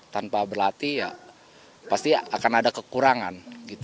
tanpa berlatih ya pasti akan ada kekurangan